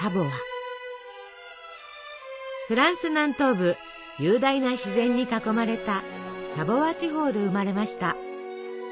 フランス南東部雄大な自然に囲まれたサヴォワ地方で生まれました。